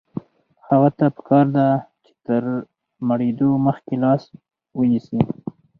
هغه ته پکار ده چې تر مړېدو مخکې لاس ونیسي.